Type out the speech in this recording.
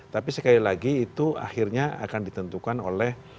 tapi sekali lagi itu akhirnya akan ditentukan oleh